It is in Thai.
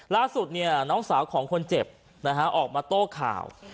ล่าสุดน้องสาวของคนเจ็บออกมาโต้ข่าว